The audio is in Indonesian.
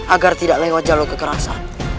agar tidak lewat jalur kekerasan